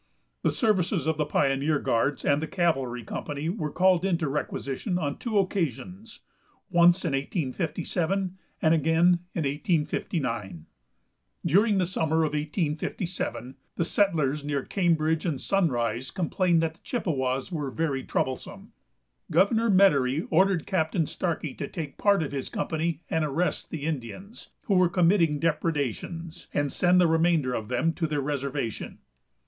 The services of the pioneer guards and the cavalry company were called into requisition on two occasions, once in 1857 and again in 1859. During the summer of 1857 the settlers near Cambridge and Sunrise complained that the Chippewas were very troublesome. Governor Medary ordered Captain Starkey to take part of his company and arrest the Indians who were committing depredations, and send the remainder of them to their reservation.